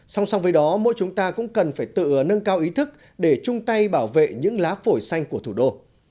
song song với đó mỗi chúng ta cũng cần phải tự nâng cao ý thức để chung tay bảo vệ những lá phổi xanh của thủ đô